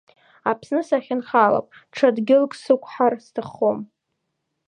Аԥсны сахьынҳалап, ҽа дгьылк сықәҳар сҭаххом.